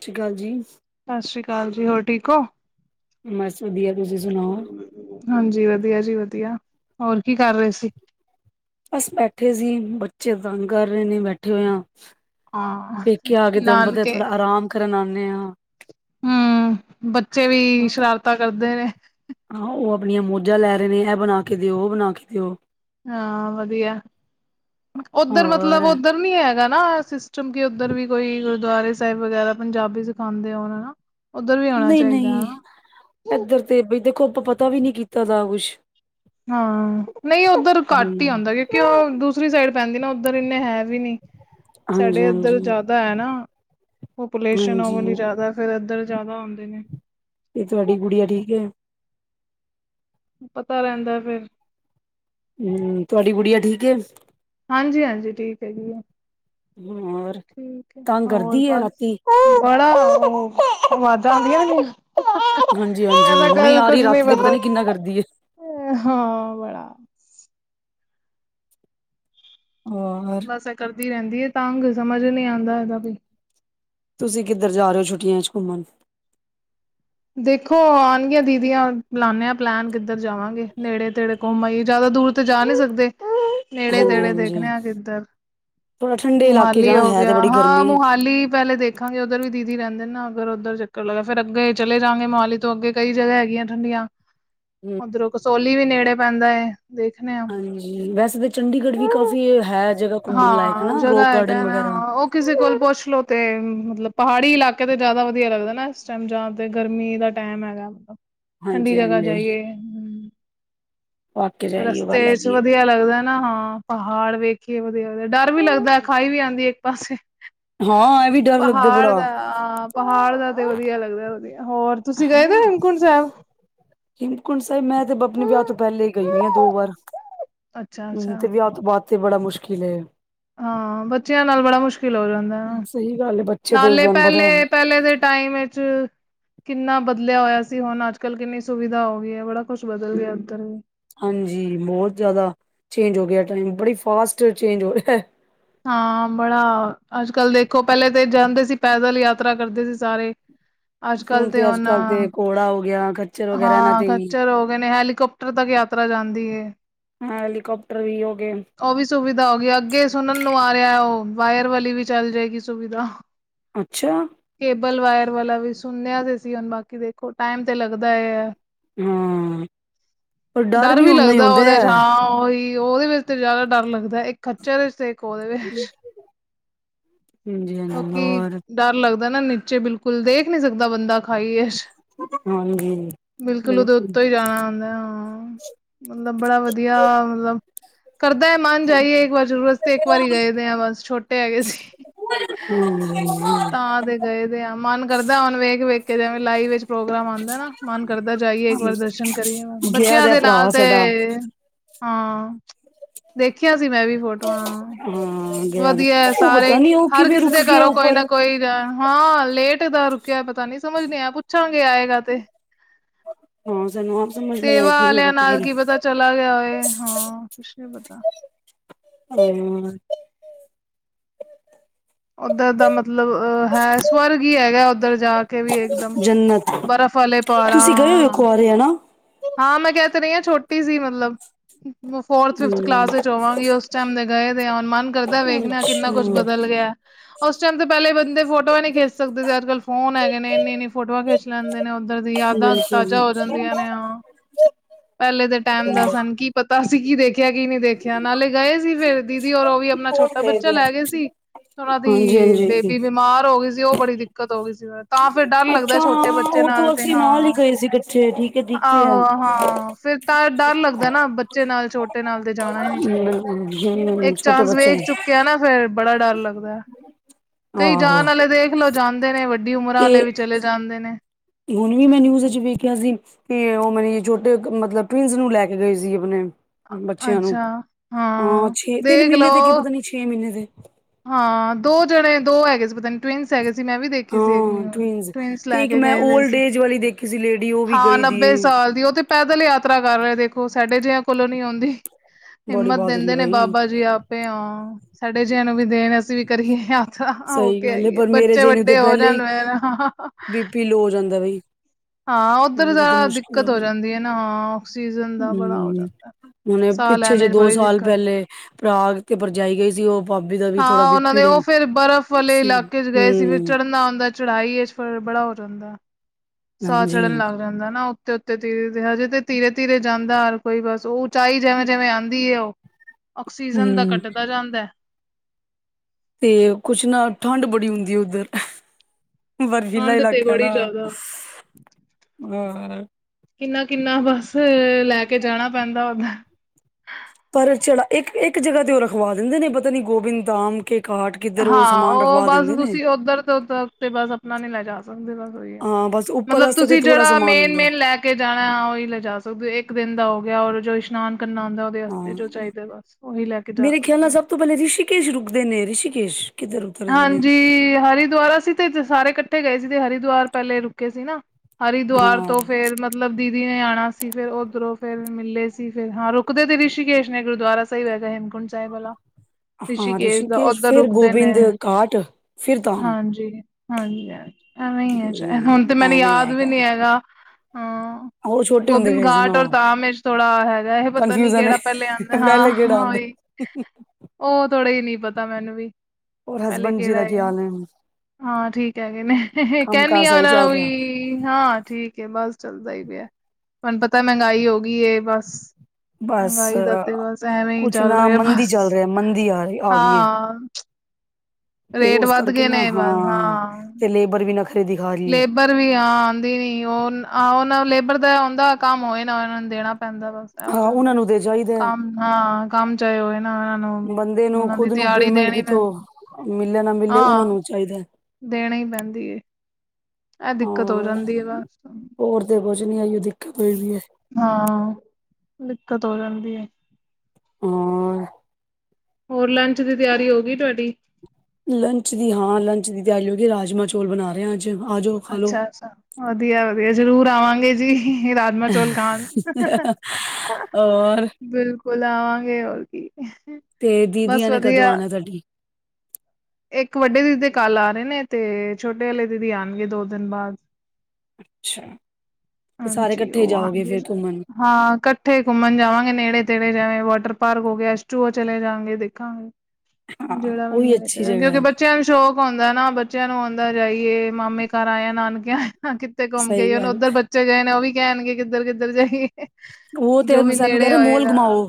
ਸਸ੍ਰੀ ਕਾਲ ਜੀ। ਸਾਸ਼੍ਰੀਕਾਲ ਜੀ ਹੋਰ ਠੀਕ ਓ? ਮਸ ਵਧੀਆ ਤੁਸੀ ਹਾਂਜੀ, ਵਧੀਆ ਜੀ ਵਧੀਆ ਹੋਰ ਕੀ ਕਰ ਰੇ ਸੀ? ਬਸ ਬੈਠੇ ਸੀ ਬੱਚੇ ਤੰਗ ਕਰ ਰੇ ਨੇ ਬੈਠੇ ਆਂ। ਹਾਂ ਪੇਕੇ ਆ ਕੇ ਤਾਨੂੰ ਪਤਾ ਏ ਨਾਨਕੇ ਥੋੜ੍ਹਾ ਆਰਾਮ ਕਰਨ ਆਨੇ ਆਂ। ਹੁੰ ਬੱਚੇ ਵੀ ਸ਼ਰਾਰਤਾ ਕਰਦੇ ਨੇ। ਹਾਂ ਓ ਆਪਣੀਆਂ ਮੌਜਾਂ ਲੈ ਰੇ ਨੇ ਐ ਬਣਾ ਕੇ ਦਿਓ ਓ ਬਣਾ ਕੇ ਦਿਓ। ਹਾਂ ਵਧੀਆ। ਉੱਧਰ ਮਤਲਬ ਹੋਰ ਉੱਧਰ ਨੀ ਹੈਗਾ ਨਾ ਸਿਸ ਸਿਸਟਮ ਕੀ, ਉਧਰ ਵੀ ਕੋਈ ਗੁਰਦੁਆਰੇ ਸਾਹਿਬ ਵਗੈਰਾ, ਪੰਜਾਬੀ ਸਿਖਾਉਂਦੇ ਹੋਨਾ। ਨਹੀਂ- ਨਹੀਂ, ਏਧਰ ਤੇ ਬਈ ਦੇਖੋ ਆਪਾਂ ਪਤਾ ਵੀ ਨਹੀ ਕੀਤਾ ਦਾ ਕੁਛ ਹਾਂ ਨਹੀਂ ਉੱਧਰ ਹੂੰ ਘੱਟ ਹੀ ਆਉਂਦਾ, ਕਿਉਂਕਿ ਉਹ ਦੂਸਰੀ ਸਾਈਡ ਪੈਂਦੀ ਨਾ ਉੱਧਰ ਇੰਨੇ ਹੈ ਵੀ ਨਹੀਂ। ਹਾਂਜੀ ਸਾਡੇ ਹਾਂਜੀ ਇੱਧਰ ਜ਼ਿਆਦਾ ਹੈ ਨਾ, ਪਪੂਲੇਸ਼ਨ ਔ ਵਾਲੀ ਹਾਂਜੀ ਜ਼ਿਆਦਾ। ਫੇਰ ਇੱਧਰ ਜ਼ਿਆਦਾ ਆਉਂਦੇ ਨੇ। ਤੇ ਤੁਹਾਡੀ ਗੁੜੀਆ ਠੀਕ ਹੈ। ਪਤਾ ਰਹਿੰਦਾ ਫੇਰ। ਹਮ ਤੁਹਾਡੀ ਗੁੜੀਆਂ ਠੀਕ ਏ। ਹਾਂਜੀ- ਹਾਂਜੀ ਠੀਕ ਹੈਗੀ ਐ। ਹੋਰ ਠੀਕ ਐ, ਤੰਗ ਹੋਰ ਕਰਦੀ ਹੈ ਬਸ ਰਾਤੀ ਬੜਾ ਔ ਅਵਾਜ਼ਾ ਆਂਦੀਆਂ ਜੀ ਐ ਹਾਂਜੀ- ਹਾਂਜੀ ਹੁਣੇ ਈ ਆ ਰਹੀ, ਰਾਤੀ ਦਾ ਪਤਾ ਨੀ ਕਿੰਨਾ ਕਰਦੀ ਏ ਅ ਹਾਂ ਬੜਾ। [unintelligible] ਬਸ ਇਹ ਕਰਦੀ ਰਹਿੰਦੀ ਏ ਤੰਗ, ਸਮਝ ਨੀ ਆਉਂਦਾ ਇਹਦਾ ਬਈ। ਤੁਸੀਂ ਕਿੱਧਰ ਜਾ ਰਹੇ ਹੋ ਛੁੱਟੀਆਂ ਚ ਘੁੰਮਣ। ਦੇਖੋ ਔ ਆਉਣਗੀਆਂ ਦੀਦੀਆਂ, ਬਣਾਣੇ ਆਂ ਪਲੈਨ ਕਿੱਧਰ ਜਾਵਾਂਗੇ ਨੇੜੇ-ਤੇੜੇ। ਘੁੰਮ ਆਈਏ ਜਿਆਦਾ ਦੂਰ ਤੇ ਜਾ ਨਹੀਂ ਸਕਦੇ, ਨੇੜੇ- ਤੇੜੇ ਦੇਖਣੇ ਹਾਂਜੀ-ਹਾਂਜੀ ਆ ਕਿੱਧਰ। ਥੋੜਾ ਠੰਡੇ ਇਲਾਕੇ ਮੋਹਾਲੀ ਜਾਣਾ ਹੋ ਹੈ ਤੇ ਗਿਆ ਹਾਂ, ਬੜੀ ਹਾ ਗਰਮੀ ਮੋਹਾਲੀ ਪਹਿਲੇ ਦੇਖ। ਦੇਖਾਂਗੇ, ਉੱਧਰ ਵੀ ਦੀਦੀ ਰਹਿੰਦੇ ਨਾ ਅਗਰ ਉਧਰ ਚਕਰ ਲਗਾ ਫਿਰ ਅੱਗੇ। ਚਲੇ ਜਾਂਗੇ ਮੋਹਾਲੀ ਤੋਂ ਅੱਗੇ, ਕਈ ਜਗ੍ਹਾਹ ਹੈਗੀਆਂ ਠੰਡੀਆਂ। ਹੂੰ ਉੱਧਰੋਂ ਕਸੋਲੀ ਵੀ ਨੇੜੇ ਪੈਂਦਾ ਏ। ਦੇਖਨੇ ਆਂ ਹਾਂਜੀ ਵੈਸੇ ਤਾਂ ਚੰਡੀਗੜ੍ਹ ਵੀ ਕਾਫੀ ਹੈ ਜਗ੍ਹਾਹ ਘੁੰਮਣ ਲਾਇਕ ਹਾਂ ਹੈਨਾ, ਜਗ੍ਹਾ ਰੋਕ ਹੈਗਾ ਗਾਰਡਨ ਨਾ ਵਗੈਰਾ। ਉਹ ਕਿਸੇ ਕੋਲ ਪੁੱਛ ਲੋੋ ਤੇ ਮਤਲਬ ਪਹਾੜੀ ਇਲਾਕੇ ਤੇ ਜ਼ਿਆਦਾ ਵਧੀਆ ਲੱਗਦਾ ਨਾ ਇਸ ਟਾਈਮ ਜਾਂ। ਤੇ ਗਰਮੀ ਦਾ ਟਾਈਮ ਹੈਗਾ, ਠੰਡੀ ਜਗ੍ਹਾਹ ਹਾਂਜੀ-ਹਾਂਜੀ ਜਾਈਏ ਵਾਕਿਆ ਚ ਇਹੀ ਓ ਗੱਲ ਰਸਤੇ ਚ ਹੈਗੀ ਏ ਵਧੀਆ ਲੱਗਦਾ ਨਾ ਹਾਂ ਪਹਾੜ ਵੇਖੀਏ ਵਧੀਆ- ਵਧੀਆ, ਡਰ ਵੀ ਲੱਗਦਾ ਖਾਈ ਵੀ ਆਉਂਦੀ ਇੱਕ ਪਾਸੇ। ਹਾਂ ਇਹ ਵੀ ਡਰ ਲੱਗਦਾ ਪਹਾੜ ਬੜਾ ਦਾ ਹਾਂ, ਪਹਾੜ ਦਾ ਤੇ ਵਧੀਆ ਲੱਗਦਾ ਵਧੀਆ ਹੋਰ। ਤੁਸੀਂ ਗਏ ਤੇ ਹਾਂ। ਹੇਮਕੁੰਟ ਸਾਹਿਬ ਹੇਮਕੁੰਟ ਸਾਹਿਬ ਮੈਂ ਤੇ ਆਪਣੇ ਵਿਆਹ ਤੋਂ ਪਹਿਲੇ ਹੀ ਗਈ ਆਂ ਦੋ ਵਾਰ। ਅੱਛਾ ਅੱਛਾ ਹੁਣ ਤੇ ਵਿਆਹ ਤੋਂ ਬਾਅਦ ਤੇ ਬੜਾ ਮੁਸ਼ਕਿਲ ਏ। ਹਾਂ ਬੱਚਿਆਂ ਨਾਲ ਬੜਾ ਮੁਸ਼ਕਿਲ ਹੋ ਜਾਂਦਾ ਐ ਨਾ, ਸਹੀ ਗੱਲ ਹੈ ਬੱਚੇ ਤੇ ਨਾਲੇ ਤੁਹਾਨੂੰ ਪਤਾ ਪਹਿਲੇ, ਪਹਿਲੇ ਤੇ ਟਾਈਮ ਇਚ ਕਿੰਨਾ ਬਦਲਿਆ ਹੋਇਆ ਸੀ ਹੁਣ ਅੱਜ ਕੱਲ੍ਹ ਕਿੰਨੀ ਸੁਵਿਧਾ ਹੋ ਗਈ ਏ, ਬੜਾ ਕੁੱਛ ਬਦਲ ਗਿਆ ਉੱਧਰ ਵੀ। ਹਾਂਜੀ, ਬਹੁਤ ਜ਼ਿਆਦਾ ਚੇਂਜ ਹੋ ਗਿਆ ਟਾਇਮ, ਬੜੀ ਫਾਸਟ ਚੇਂਜ ਹੋ ਰਿਹਾ ਐ। ਹਾਂ, ਬੜਾ ਅੱਜ ਕੱਲ੍ਹ ਦੇਖੋ ਪਹਿਲੇ ਤੇ ਜਾਂਦੇ ਸੀ ਪੈਦਲ ਯਾਤਰਾ ਕਰਦੇ ਸੀ ਸਾਰੇ। ਅੱਜ ਕੱਲ ਤੇ ਹੁਣ ਥੋੜਾ ਹੋ ਗਿਆ ਖ ਹਾਂ, ਖੱਚਰ ਹੋ ਗਏ ਨੇ, ਹੈਲੀਕਾਪਟਰ ਤੱਕ ਯਾਤਰਾ ਜਾਂਦੀ ਏ। ਹਾਂ, ਹੈਲੀਕਾੋਪਟਰ ਵੀ ਹੋੋਗੇ। ਉਹ ਵੀ ਸੁਵਿਧਾ ਹੋ ਗਈ ਅੱਗੇ ਸੁਣਨ ਨੂੰ ਆ ਰਿਹਾ, ਉਹ ਵਾਇਰ ਵਾਲੀ ਵੀ ਚੱਲ ਜੇਏਗੀ ਸੁਵਿਧਾ। ਅੱਛਾ। ਕੇਬਲ ਵਾਇਰ ਵਾਲਾ ਵੀ ਸੁਣਿਆ ਤੇ ਸੀ ਇੰਨਾ, ਹੁਣ ਬਾਕੀ ਦੇਖੋ ਟਾਈਮ ਤੇ ਲੱਗਦਾ ਏ ਇਹ। ਹਾਂ ਪਰ ਡਰ ਵੀ ਓਨਾ ਹੀ ਲੱਗਦਾ ਹੁੰਦਾ ਓਦੇ ਹੈ ਥਾਂ ਓਈ ਓਦੇ ਵਿੱਚ ਤੇ ਜਾਦਾ ਡਰ ਲੱਗਦਾ ਇੱਕ ਖੱਚਰ ਇਚ ਤੇ ਇੱਕ ਓਦੇ ਵਿੱਚ ਹਾਂਜੀ-ਹਾਂਜੀ, ਕਿਉਂਕਿ ਹੋਰ? ਡਰ ਲੱਗਦਾ ਨਾ ਨੀਚੇ ਬਿਲਕੁਲ ਦੇਖ ਨੀ ਸਕਦਾ ਬੰਦਾ ਖਾਈ ਇਚ ਹਾਂਜੀ ਬਿਲਕੁਲ ਓਦੇ ਉੱਤੋਂ ਈ ਜਾਣਾ ਪੈਂਦਾ ਹਾਂ। ਮਤਲਬ ਬੜਾ ਵਧੀਆ ਮਤਲਬ ਕਰਦਾ ਮਨ ਜਾਈਏ ਇੱਕ ਵਾਰ ਜ਼ਰੂਰ ਅਸੀਂ ਤੇ ਇੱਕ ਵਾਰੀ ਗਏ ਦੇ ਆ ਬਸ ਛੋਟੇ ਹੈਗੇ ਸੀ। [inaudible] ਤਾਂ ਤੇ ਗਏ ਦੇ ਆ ਮਨ ਕਰਦਾ ਹੁਣ ਵੇਖ-ਵੇਖ ਕੇ ਜਿਵੇਂ ਲਾਈਵ ਵਿੱਚ ਪ੍ਰੋਗਰਾਮ ਆਂਦਾ ਨਾ। ਮਨ ਕਰਦਾ ਜਾਈਏ ਇੱਕ ਵਾਰ ਹੂੰ ਦਰਸ਼ਨ ਕਰੀਏ ਗਿਆ ਬੱਚਿਆਂ ਦਾ ਦੇ ਭਰਾ ਨਾਲ ਤੇ ਸਾਡਾ ਹਾਂ। ਦੇਖਿਆ ਸੀ ਮੈਂ ਵੀ ਫੋਟੋਆਂ ਹਾਂ ਗਿਆ ਦਾ ਵਧੀਆ ਉਹ ਪਤਾ ਸਾਰੇ ਨੀ ਉਹ ਹਰ ਕਿਵੇਂ ਕਿਸੇ ਰੁਕ ਗਿਆ ਦਰੋਂ ਕੋਈ ਨਾ ਉੱਪਰ ਕੋਈ ਹਾਂ ਲੇਟ ਦਾ ਰੁਕਿਆ ਪਤਾ ਨੀ ਸਮਝ ਨੀ ਆ ਪੁੱਛਾਂਗੇ ਆਏਗਾ ਤੇ ਹਾਂ [unintelligible] ਆਇਆ ਸੇਵਾ ਕਿਵੇਂ ਆਲੇਆਂ ਰੁਕ ਨਾਲ ਗਈ ਕੀ ਪਤਾ ਚਲਾ ਗਯਾ ਹੋਏ ਹਾਂ ਕੁਛ ਵੀ ਪਤਾ। ਼ [unintelligible] ਓੱਧਰ ਦਾ ਮਤਲਬ ਅ ਹੈ ਸਵਰਗ ਈ ਹੈਗਾ ਓਧਰ ਜਾ ਕੇ। ਕੇ ਵੀ ਇੱਕਦਮ ਜੰਨਤ ਬਰਫ਼ ਆਲੇ ਪਾੜਾਂ ਹਰਿਆਣਾ ਹਾਂ ਮੈਂ ਕੈ ਤੇ ਰਈ ਆਂ ਛੋਟੀ ਸੀ ਮਤਲਬ। ਫੋਰਥ-ਫਿਫਥ ਕਲਾਸ ਵਿੱਚ ਹੋਵਾਂਗੀ ਓਸ ਟਾਈਮ ਦੇ ਗਏ ਆ ਮਨ ਕਰਦਾ ਹਮ ਵੇਖਣੇ ਕਿੰਨਾ ਕੁਛ ਅੱਛਾ ਬਦਲ ਗਿਆ। ਓਸ ਟਾਈਮ ਤੇ ਪੈਲੇ ਬੰਦੇ ਫੋਟੋਆਂ ਨੀ ਖੇਚ ਸਕਦੇ ਸੀ ਅੱਜ-ਕਲ ਫੋਨ ਹੈਗੇ ਨੇ ਏਨੀ-ਏਨੀ ਫੋਟੋਆਂ ਖੇਚ ਲੈਂਦੇ ਨੇ ਓਧਰ ਦੀ ਯਾਦਾਂ ਬਿਲਕੁਲ ਤਾਜ਼ਾ ਜੀ। ਹੋ ਜਾਂਦੀਆਂ ਨੇ ਹਾਂ ਪੈਲੇ ਦੇ ਟੈਮ ਦਾ ਸਾਨ ਕੀ ਪਤਾ ਅਸੀ ਕੀ ਦੇਖਿਆ। ਦੇਖਿਆ ਕੀ ਨੀ ਦੇਖਿਆ ਨਾਲੇ ਗਏ ਸੀ ਫਿਰ ਦੀਦੀ ਔਰ ਉਹ ਵੀ ਆਪਣਾ ਛੋਟਾ ਬੱਚਾ ਲੈਗੇ ਸੀ। ਓਨਾਂ ਦੀ ਹਾਂਜੀ ਹਾਂਜੀ ਬੇਬੀ ਬਿਮਾਰ ਹੋਗੀ ਸੀ ਓ ਬੜੀ ਦਿੱਕਤ ਹੋਗੀ ਸੀ ਫੇਰ ਤਾਂ ਫੇਰ ਡੱਰ ਲੱਗਦਾ ਅੱਛਾ ਛੋਟੇ ਹਾਂ ਬੱਚੇ ਉਹ ਨਾਲ ਤੋਂ ਤੇ ਅਸੀਂ ਹਾਂ ਨਾਲ ਹੀ ਗਏ ਸੀ ਇਕੱਠੇ ਠੀਕ ਹੈ ਠੀਕ ਹੈ। ਆਹੋ ਹਾਂ। ਫੇਰ ਤਾਂ ਡਰ ਲੱਗਦਾ ਨਾ ਬੱਚੇ ਨਾਲ ਛੋ ੇ ਨੇ ਨਾਲ ਤੇ ਜਾਣਾ ਈ ਨਈ ਚਾਇਦਾ ਬਿਲਕੁਲ ਇੱਕ ਛੋਟੇ ਚਾਂਸ ਬੱਚੇ ਵੇਖ ਨੇ ਚੁੱਕੇ ਕੇ ਨਾ ਫੇਰ ਬੜਾ ਡਰ ਲੱਗਦਾ ਕਈ ਆਹੋ ਜਾਣ ਵਾਲੇ ਦੇਖਲੋ ਜਾਂਦੇ ਨੇ ਬ ਵੱਡੀ ਉਮਰਾ ਆਲੇ ਤੇ ਵੀ ਚਲੇ ਜਾਂਦੇ ਨੇ। ਹੁਣ ਵੀ ਮੈਂ ਨਿਊਜ਼ ਵਿੱਚ ਵੇਖਿਆ ਸੀ ਕਿ ਓ ਮੇਰੀ ਛੋਟੇ ਮਤਲਬ ਟਿਵੰਸ ਨੂੰ ਲੈ ਕੇ ਗਏ ਸੀ ਅਪਣੇ। ਬੱਚਿਆਂ ਨੂੰ ਅੱਛਾ ਹਾਂ ਛੇ ਤਿੰਨ ਮੀਨੇ ਤੇ ਕੇ ਦੇਖਲੋ ਪਤਾ ਨੀ ਛੇ ਮੀਨੇ ਦੇ ਹਾਂ ਦੋ ਜਣੇ ਦੋ ਹੈਗੇ ਸੀ ਪਤਾ ਨੀ ਟਵਿੰਨਸ ਹੈਗੇ ਸੀ ਮੈਂ ਵੀ ਦੇਖੀ ਸੀ ਇਕ ਹਾਂ ਨਿਊਜ ਟਵਿੰਸ ਟਵਿੰਨਸ ਲੈ ਤੇ ਇੱਕ ਕੇ ਮੈਂ ਗਏ ਦੇ ਓਲਡ ਸੀ ਏਜ ਵਾਲੀ ਦੇਖੀ ਸੀ ਲੇਡੀ ਉਹ ਵੀ ਹਾਂ ਗਈ ਦੀ ਨੱਬੇ ਏ ਸਾਲ ਦੀ ਓ ਤੇ ਪੈਦਲ ਯਾਤਰਾ ਕਰ ਰੇ ਦੇਖੋ ਸਾਡੇ ਜੇਆਂ ਕੋਲੋਂ ਨੀ ਹੁੰਦੀ। ਬੜੀ ਹਿੰਮਤ ਬਹਾਦਰੀ ਦਿੰਦੇ ਨੇ ਬਾਈ ਬਾਬਾ ਜੀ ਆਪੇ ਹਾਂ ਸਾਡੇ ਜੇਆਂ ਨੂੰ ਵੀ ਦੇਣ। ਅਸੀਂ ਵੀ ਕਰੀਏ ਯਾਤਰਾ ਹੋ ਸਹੀ ਕੇ ਗੱਲ ਹੈ ਆਈਏ ਪਰ ਮੇਰੇ ਬੱਚੇ ਜੇ ਨੂੰ ਤੇ ਵੱਡੇ ਹੋ ਪਹਿਲੇ ਹੀ ਜਾਣ ਫੇਰ ਬੀ ਪੀ ਲੋ ਹੋ ਜਾਂਦਾ ਬਈ। ਹਾਂ ਓਧਰ ਮੁਝੇ ਤੇ ਜਰਾ ਮੁਸ਼ਕਿਲ ਦਿੱਕਤ ਹੋ ਜਾਂਦੀ ਏ ਨਾ ਹਾਂ ਆਕਸੀਜਨ ਦਾ ਬੜਾ ਹੋ ਹਮ ਜਾਂਦਾ। ਹੁਣੇ ਸਾਹ ਪਿੱਛੇ ਜੇ ਲੈਣੇ ਚ ਦੋ ਬੜੀ ਸਾਲ ਦਿੱਕਤ ਪੈਲੇ ਪਰਾ ਤੇ ਪਰਜਾਈ ਗਈ ਸੀ ਓ ਪਾਬੀ ਦਾ ਵੀ ਥੋੜਾ ਹਾਂ ਬੀ ਓਨਾਂ ਪੀ ਦੇ ਓ ਫੇਰ ਬਰਫ਼ ਵਾਲੇ ਸੀ ਇਲਾਕੇ ਚ ਗਏ ਸੀ ਫਿਰ ਹਮ ਚੜ੍ਹਨਾ ਹੁੰਦਾ ਚੜਾਈ ਚ ਬੜਾ ਹੋ ਜਾਂਦਾ ਸਾਹ ਹਾਂਜੀ ਚੜ੍ਹਨ ਲੱਗ ਜਾਂਦਾ ਨਾ ਉੱਤੇ ਉੱਤੇ ਧੀਰੇ ਹਜੇ ਤੇ ਧੀਰੇ ਧੀਰੇ ਜਾਂਦਾ ਹਰ ਕੋਈ ਬਸ ਉਹ ਉਚਾਈ ਜਿਵੇਂ ਜਿਵੇਂ ਆਉਂਦੀ ਹੈ ਉਹ ਆਕਸੀਜਨ ਦਾ ਹਮ ਕੱਟਦਾ ਜਾਂਦਾ। ਅਤੇ ਕੁਛ ਨਾ ਠੰਡ ਬੜੀ ਹੁੰਦੀ ਹੈ ਉੱਧਰ। ਬਰਫੀਲਾ ਠੰਡ ਤੇ ਇਲਾਕਾ ਬੜੀ ਨਾ ਜ਼ਿਆਦਾ ਅ ਕਿੰਨਾ ਕਿੰਨਾ ਬਸ ਲੈ ਕੇ ਜਾਣਾ ਪੈਂਦਾ ਓਦਾਂ। ਪਰ ਜਿਹੜਾ ਇੱਕ ਇੱਕ ਜਗ੍ਹਾ ਤੇ ਉਹ ਰਖਵਾ ਦਿੰਦੇ ਨੇ ਪਤਾ ਨੀ ਗੋਬਿੰਦ ਧਮ ਕੇ ਕਾਟ ਹਾਂ ਉਹ ਬਸ ਤੁਸੀਂ ਉੱਧਰ ਤੇ ਉੱਧਰ ਤੇ ਬਸ ਆਪਣਾ ਨਹੀ ਲੈ ਜਾ ਸਕਦੇ ਬਸ ਉਹੀ ਹੈ। ਹਾਂ ਬਸ ਉੱਪਰ ਮਤਲਬ ਵਾਸਤੇ ਤੇ ਤੁਸੀਂ ਥੋੜਾ ਜਿਹੜਾ ਸਮਾਨ ਮੇਨ ਹੁੰਦਾ ਮੇਨ ਲੈਕੇ ਲੈਕੇ ਜਾਣਾ ਉਹੀ ਲੈਜਾ ਸਕਦੇ ਹੋ ਇੱਕ ਦਿਨ ਦਾ ਹੋ ਗਿਆ ਔਰ ਜੋ ਇਸ਼ਨਾਨ ਕਰਨਾ ਹੁੰਦਾ ਦੇ ਵਾਸਤੇ ਜੋ ਹਾਂ ਚਾਹੀਦਾ ਬਸ ਉਹੀ ਲੈ ਕੇ ਜਾ ਸਕਦੇ ਹੋ। ਤੇ ਪਹੀਲਾ ਰਿਸ਼ੀਕੇਸ਼ ਰੁਕਦੇ ਨੇ ਰਿਸ਼ੀਕੇਸ਼। ਕਿੱਧਰ ਉਤਰਦੇ ਨੇ ਹਾਂਜੀ ਹਰਿਦੁਵਰਾ ਸੀ ਤੇ ਸਾਰੇ ਇਕੱਠੇ ਗਏ ਸੀ ਤੇ ਹਰਿਦੁਵਰ ਪਹਿਲੇ ਰੁਕੇ ਸੀ ਨਾ। ਹਰਿਦੁਵਰ ਹਾਂ ਤੋਂ ਫੇਰ ਮਤਲਬ ਦੀਦੀ ਨੇ ਆਉਣਾ ਸੀ ਫੇਰ ਉੱਧਰੋਂ ਫੇਰ ਮਿਲੇ ਸੀ ਫਿਰ ‍‌‍ਹਾਂ ਰੁਕਦੇ ਤੇ ਰਿਸ਼ੀਕੇਸ਼ ਨੇ ਗੁਰਦੁਆਰਾ ਸਾਹਿਬ ਹੈਗਾ ਹੇਮਕੁੰਟ ਸਾਹਿਬ ਵਾਲਾ‌‍‍‍‍। [inaudible] ਹਾਂ ਰਿਸ਼ੀਕੇਸ਼ ਫੇਰ ਗੋਬਿੰਦ ਘਾਟ। ਫਿਰ ਧਾਮ ਹਾਂਜੀ, ਹਾਂਜੀ ਹਾਂਜੀ। ਐਵੇਂ ਹੈ ਹੁਣ ਤੇ ਹੂੰ ਮੈਨੂੰ ਐਵੇਂ ਯਾਦ ਵੀ ਨੀ ਹੈਗਾ, ਹਮ। ਉਹ ਛੋਟੇ ਹੁੰਦੇ ਗੋਬਿੰਦ ਗਏ ਸੀ ਨਾ ਘਾਟ ਔਰ ਤਾਂਮੇ ਵਿਚ ਥੋੜਾ ਹੈਗਾ ਇਹ ਪਤਾ ਨੀ ਕਨਫਿਊਜ਼ਨ ਹੈ ਕਿਹੜਾ ਪਹਿਲੇ ਆਉਂਦਾ ਪਹਿਲੇ ਕਿਹੜਾ ਹਾਂ ਉਹੀ [unintelligible] ਉਹ ਥੋੜਾ ਨੀ ਪਤਾ ਮੈਨੂੰ ਵੀ। ਔਰ ਪਹਿਲੇ ਹਸਬੈਂਡ ਜੀ ਕਿਹੜਾ ਦਾ ਕੀ ਹੈਗੇ, ਹਾਲ ਹੈ ਹਾਂ ਠੀਕ ਹੈਗੇ ਨੇ ਕੰਮ ਕਾਰ ਕਹਦੀ ਉਹ ਸਹੀ ਚੱਲ ਨੂ ਰਿਹਾ ਵੀ ਹਾਂ ਠੀਕ ਹੈ ਬਸ ਚੱਲਦਾ ਹੀ ਪਿਆ, ਹੁਨ ਪਤਾ ਮਹਿੰਗਾਈ ਹੋ ਗਈ ਬਸ। ਬਸ ਮਹਿੰਗਾਈ ਦਾ ਤੇ ਬਸ ਐਵੇਂ ਹੀ ਕੁਛ ਚੱਲ ਨਾ ਰਿਹਾ ਮੰਦੀ ਬਸ, ਚੱਲ ਰਿਹਾ ਮੰਦੀ ਆ ਰਹੀ ਆ ਗਈ ਹੈ ਹਾਂ। ਤੇ ਰੇਟ ਉਸ ਵੱਧ ਕਰਕੇ ਗਏ ਨਾ ਨੇ ਬਸ ਹਾਂ, ਤੇ ਲੇਬਰ ਵੀ ਨਖਰੇ ਦਿਖਾ ਰਹੀਏ। ਲੇਬਰ ਵੀ ਹਾਂ ਆਉਂਦੀ ਨੀ ਉਹ ਉਹਨਾਂ ਲੇਬਰ ਦਾ ਆਉਦਾ ਕੰਮ ਹੋਏ ਨਾ ਉਹਨਾਂ ਨੂੰ ਦੇਣਾ ਪੈਂਦਾ ਵਾ। ਹੋ ਹਾਂ ਉਹਨਾਂ ਜਾਂਦਾ ਨੂੰ ਤੇ ਚਾਹੀਦਾ ਹੈ ਕੰਮ ਕੰਮ ਚਾਏ ਹੋਏ ਨਾ ਨੂੰ ਬੰਦੇ ਨੂੰ ਉਹਨਾਂ ਦੀ ਖੁਦ ਨੂੰ ਦਿਹਾੜੀ ਪੇਮੈਂਟ ਦੇਣੀ ਪੈਂਦੀ ਕਿੱਥੋਂ, ਮਿਲੇ ਨਾ ਮਿਲੇ ਉਹਨਾ ਹਾਂ ਨੂੰ ਚਾਹੀਦਾ। ਦੇਣੀ ਹੀ ਪੈਂਦੀ, ਇਹ ਦਿੱਕਤ ਹੋ ਜਾਂਦੀ ਹੈ ਬਸ। ਦੇ ਕੁਝ ਨਹੀਂ ਆਈਓ [unintelligible] ਹਾਂ, ਦਿੱਕਤ ਹੋ ਜਾਂਦੀ ਹੈ ਹਮ ਹੋਰ ਲੰਚ ਦੀ ਤਿਆਰੀ ਹੋ ਗਈ ਤੁਹਾਡੀ? ਲੰਚ ਦੀ ਹਾਂ ਲੰਚ ਦੀ ਤਿਆਰੀ ਹੋ ਗਈ ਹੈ ਰਾਜਮਾਂ ਚੋਲ ਬਣਾ ਲ਼ਏ ਹਾਂ ਅੱਜ ਤੇ ਆਜੋ। ਅੱਛਾ-ਅੱਛਾ ਵਧੀਆ-ਵਧੀਆ ਜ਼ਰੂਰ ਆਵਾਂਗੇ ਜੀ ਰਾਜਮਾ ਚੋਲ ਖਾਨ, ਬਿਲਕੁਲ ਔਰ ਬਿਲਕੁਲ ਆਵਾਂਗੇ ਹੋਰ ਕੀ ਤੇ ਬਸ ਦੀਦੀਆਂ ਨੇ ਕਦੋਂ ਵਧੀਆ ਆਉਣਾ ਤੁਹਾਡੀ? ਇੱਕ ਵੱਡੇ ਦੀਦੀ ਦੇ ਕੱਲ ਆ ਰਹੇ ਨੇ ਤੇ ਛੋਟੇ ਵਾਲੇ ਦੀਦੀ ਆ ਆਗੇ ਦੋ ਦਿਨ ਬਾਅਦ, ਤੇ ਸਾਰੇ ਹਾਂਜੀ ਇਕੱਠੇ ਉਹ ਜਾਓਗੇ ਆਉਣਗੇ ਫਿਰ ਘੁੰਮਣ ਹਾਂ ਇਕੱਠੇ ਘੁੰਮਣ ਜਾਵਾਂਗੇ ਨੇੜੇ ਤੇੜੇ ਜਿਵੇਂ ਵਾਟਰ ਪਾਰਕ ਹੋ ਗਿਆ [unintelligible] ਚਲੇ ਜਾਾਂਗੇ ਦੇਖਾਂਗੇ। ਹਾਂ [unintelligible] ਉਹ ਵੀ ਅੱਛੀ ਕਿਉਂਕਿ ਜਗ੍ਹਾ ਬੱਚੇ ਹੈ ਬੱਚਿਆਂ ਨੂੰ ਸ਼ੌਕ ਆਉਂਦਾ ਨਾ ਬੱਚਿਆਂ ਨੂੰ ਆਉਂਦਾ ਜਾਈਏ ਮਾਮੇ ਘਰ ਆਏਆ ਨਾਨਕੇ ਆਏਆ ਘੁੰਮ ਸਹੀ ਕੇ ਉਹਨੇ ਗੱਲ ਉੱਧਰ ਬੱਚੇ ਗਏ ਨੇ ਉਹ ਵੀ ਕਹਿਣਗੇ ਕਿੱਧਰ-ਕਿੱਧਰ ਜਾਈਏ ਉਹ ਤੇ ਜੋ ਵੀ ਸਾਨੂੰ ਕਹਿ ਨੇੜੇ ਰਹੇ ਮੋਲ ਹੋਏਗਾ। ਘੁਮਾਓ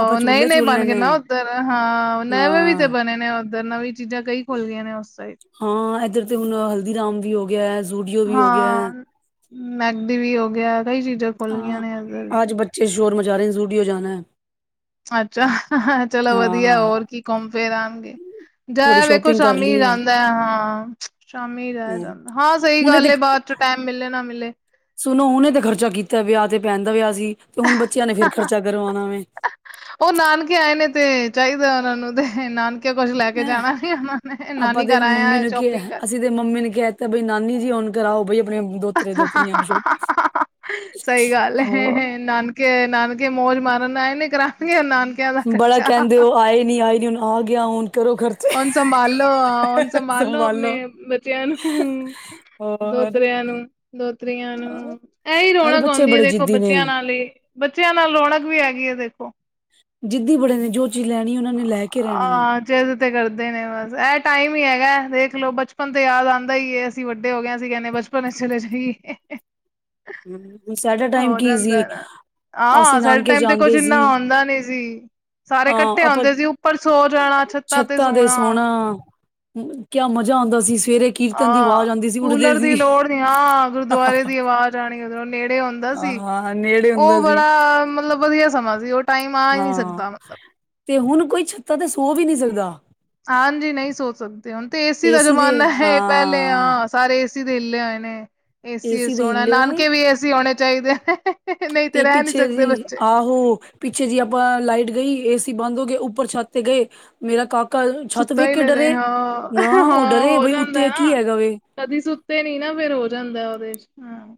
ਆਪਾਂ ਝੂਲੇ ਨਏ-ਨਏ ਬਣ ਝੂਲਣੇ ਗਏ ਨੇ ਨਾ ਓਧਰ। ਹਾਂ, ਨਵੇਂ ਵੀ ਤੇ ਹਾਂ ਬਣੇ ਨੇ ਓਧਰ ਨਵੀਂ ਚੀਜ਼ਾਂ ਕਈ ਖੁੱਲ ਗੀਆ ਨੇ ਉਸ ਸਾਈਡ। ਹਾਂ, ਐਧਰ ਤੇ ਹੁਣ ਹਲਦੀਰਾਮ ਵੀ ਹੋ ਗਿਐ। ਹਾਂ, ਮੈਕਡੀ ਵੀ ਹੋ ਗਿਐ ਕਈ ਚੀਜ਼ਾਂ ਖੁੱਲ ਗਈਆਂ ਆਂ, ਨੇ ਇੱਧਰ ਆਜ ਵੀ। ਬੱਚੇ ਸ਼ੋਰ ਮਚਾ ਰੇਣ ਜ਼ੂਡੀਓ ਜਾਨੈ। ਅੱਛਾ, ਚਲੋ ਵਧੀਐ ਹੋਰ ਕੀ ਕੌਮ ਫੇਰ ਆਣਗੇ। ਜਾਇਆ ਵੇਖੋ ਸ਼ਾਪਿੰਗ ਕਰ ਸ਼ਾਮੀ ਲਈਏ ਜਾਂਦੈ ਹਾਂ, ਸ਼ਾਮੀ ਜਾਇਆ ਹੂੰ ਜਾਂਦ ਹਾਂ ਸਹੀ ਹੁਣੇ ਤੇ ਗੱਲ ਏ, ਬਾਦ ਚ ਟੈਮ ਮਿਲੇ ਨਾ ਮਿਲੇ। ਸੁਣੋ ਹੂਨੇ ਤੇ ਖਰਚਾ ਕੀਤਾ ਵਿਆਹ ਤੇ ਪੈਣ ਦਾ ਵਿਆਹ ਸੀ। ਤੇ ਹੁਣ ਬੱਚਿਆਂ ਨੇ ਫੇਰ ਖਰਚਾ ਕਰਵਾਣਾ ਦੇ। ਓ ਨਾਨਕੇ ਆਏ ਨੇ ਤੇ ਚਾਈਦੈ ਓਹਨਾਂ ਨੂੰ ਤੇ ਨਾਨ ਕੇ ਕੋਛ ਲੈ ਕੇ ਮੈਂ ਜਾਣਾ ਨੀ ਓਹਨਾਂ ਨੇ, ਆਪਾਂ ਨਾਨੀ ਤੇ ਘਰ ਆਏ ਮੰਮੀ ਆ ਨੂੰ ਸ਼ੋਪਿੰਗ ਕਿਹਾ ਕਰ ਅਸੀਂ ਤੇ ਮੰਮੀ ਨੇ ਕੈ ਤੈ ਬਈ ਨਾਨੀ ਜੀ ਹੋਨ ਕਰਾਓ ਬਈ ਅਪਣੇ ਦੋਤਰੇ-ਦੋਤਰੀਆਂ ਨੂੰ ਸ਼ੋਪਿੰਗ। ਹੋਰ ਕੇ ਨਾਨਕੇ ਮੌਜ ਮਾਰਨ ਆਏ ਨੇ ਕਰਾਣਗੇ ਹੋਣ ਨਾਨਕੇ ਬੜਾ ਕੈੰਦੇ ਓ ਆਏ ਨੀ ਆਏ ਨੀ ਹੁਣ ਆ ਗਿਆ ਹੁਣ ਕਰੋ ਖਰਚਾ। ਹੋਣ ਸੰਭਾਲੋ, ਹੋਣ ਸੰਭਾਲੋ ਅਪਣੇ ਬੱਚਿਆਂ ਨੂੰ। ਹੋਰ ਦੋਹਤਰੇਆਂ ਨੂੰ ਦੋਹਤਰੀਆਂ ਨੂੰ, ਐਹੀ ਅਰੇ ਰੌਣਕ ਬੱਚੇ ਹੋੰਦੀ ਏ, ਬੜੇ ਦੇਖੋ ਜਿੱਦੀ ਨੇ ਬੱਚਿਆਂ ਨਾਲ ਈ। ਬੱਚਿਆਂ ਨਾਲ ਰੌਣਕ ਵੀ ਹੈਗੀ ਏ ਦੇਖੋ। ਜਿੱਦੀ ਬੜੇ ਨੇ ਜੋ ਚੀਜ਼ ਲੈਣੀ ਏ, ਓਨਾ ਨੇ ਲੈ ਕੇ ਰੈਣੀ ਏ। ਜੇਦ ਤੇ ਕਰਦੇ ਨੇ ਬਸ। ਐਹ ਟਾਈਮ ਹੀ ਹੈਗੈ, ਵੇਖ ਲੋ ਬਚਪਨ ਤੋਂ ਯਾਦ ਆਂਦਾ ਈ, ਏ ਅਸੀਂ ਵੱਡੇ ਹੋ ਗੇਆ ਅਸੀਂ ਕੈੰਦੇ ਆ ਬਚ ਪਨ ਏਚ ਚਲੇ ਜਾਈਏ। ਹੂੰ, ਸਾਡਾ ਟਾਈਮ ਕੀ ਸੀ ਅਸੀਂ ਆਹ, ਸਾਡੇ ਨਾਨਕੇ ਟਾਈਮ ਤੇ ਕੁਛ ਜਾਂਦੇ ਸੀ ਇੰਨਾ ਹੁੰਦਾ ਨੀ ਸੀ‌‌, ਸਾਰੇ ਕੱਠ ਅਹ ਠੇ ਆਪਾਂ ਹੋੰਦੇ ਸੀ, ਉੱਪਰ ਸੋ ਜਾਣਾ ਛੱਤਾਂ ਤੇ ਸੋਣਾ। ਕਿਆ ਮਜ਼ਾ ਆੰਦਾ ਸੀ ਸਵੇਰੇ ਕੀਰਤਨ ਦੀ ਆਂ, ਆਵਾਜ਼ ਆਉਂਦੀ ਸੀ ਉੱਠਦੇ ਕੂਲਰ ਦੀ ਸੀ। ਲੋੜ ਨੀ। ਹਾਂ, ਗੁਰਦੁਆਰੇ ਦੀ ਆਵਾਜ਼ ਜਾਣੀ ਉਧਰੋਂ ਨੇੜੇ ਔੰਦਾ ਸੀ, ਹਾਂ ਨੇੜੇ ਓਹ ਹੁੰਦਾ ਸੀ ਬੜਾ ਮਤਲਬ ਵਧੀਆ ਸਮਾਂ ਸੀ। ਓਹ ਹਾਂ, ਤੇ ਹੁਣ ਕੋਈ ਛੱਤਾ ਤੇ ਸੋ ਵੀ ਨੀ ਸਕਦਾ। ਹਾਂਜੀ, ਨਹੀਂ ਸੋਹ ਸਕਦੇ। ਹੁਣ ਤੇ ਏਸੀ ਦਾ ਜ਼ਮਾਨਾ ਏ। ਪੈਲੇ ਹਾਂ। ਸਾਰੇ ਏਸੀ ਦੇ ਹਿੱਲੇ ਹੋਏ ਨੇ। ਏਸੀ ਏਚ ਦੇ ਸੋਣੈ, ਹਿੱਲੇ ਹੋਏ ਨਾਨਕੇ ਵੀ ਏਸੀ ਹੋਣੇ ਚਾਈਦੇ ਨੇ। ਨਹੀਂ ਤੇ ਰਹਿ ਨਹੀਂ ਪਿੱਛੇ ਸਕਦੇ ਜੀ ਬੱਚੇ। ਆਹੋ ਪਿੱਛੇ ਜੀ ਆਪਾਂ ਲਾਈਟ ਗਈ ਏਸੀ ਬੰਦ ਹੋ ਗਿਆ, ਉੱਪਰ ਛੱਤ ਤੇ ਗਏ ਮੇਰਾ ਕਾਕਾ ਛੱਤ ਸੁੱਤਾ ਵੇਖ ਹੀ ਕੇ ਨਾ ਰਹੇ ਡਰੇ। ਨਾ ਹਾਂ ਓਹ ਹਾਂ ਡਰੇ ਹੋ ਬਈ ਉੱਤੇ ਜਾਂਦਾ ਐ ਕੀ ਨਾ ਹੈਗਾ ਵੇ। ਕਦੀ ਸੁੱਤੇ ਨੀ ਨਾ ਫੇਰ ਹੋ ਜਾਂਦੈ ਓਹਦੇ ਚ ਹਾਂ।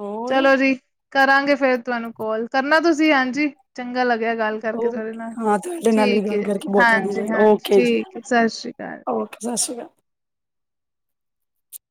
ਹੋਰ ਚਲੋ ਜੀ, ਕਰਾਂਗੇ ਫੇਰ ਤੁਆਨੂੰ ਕੋਲ, ਕਰਨਾ ਤੁਸੀਂ ਹਾਂਜੀ। ਚੰਗਾ ਲੱਗਿਆ ਗੱਲ ਕਰਕੇ ਤੁਐਡੇ ਨਾਲ। ਹਾਂ ਤੁਹਾਡੇ ਨਾਲ ਵੀ ਠੀਕ ਗੱਲ ਏ ਜੀ, ਕਰਕੇ ਬਹੁਤ ਵਧੀਆ ਲੱਗਾ ਹਾਂਜੀ-ਹਾਂਜੀ, ਓਕੇ ਜੀ ਠੀਕ ਏ ਸਤ ਸ਼੍ਰੀ ਅਕਾਲ ਓਕੇ, ਸਾ ਸ੍ਰੀ ਕਾ।